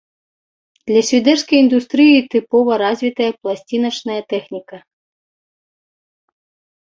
Для свідэрскай індустрыі тыпова развітая пласціначная тэхніка.